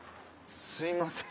すいません